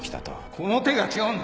この手が違うんだ！